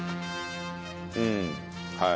うんはい。